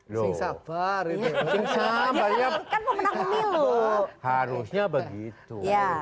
loh harusnya begitu